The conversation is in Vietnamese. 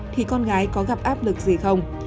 thì con gái có gặp áp lực gì không